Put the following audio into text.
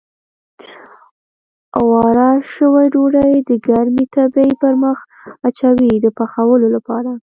اواره شوې ډوډۍ د ګرمې تبۍ پر مخ اچوي د پخولو لپاره.